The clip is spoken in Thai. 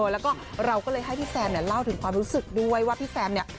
แล้วก็เราก็เลยให้พี่แซมเนี่ยเล่าถึงความรู้สึกด้วยว่าพี่แซมเนี่ย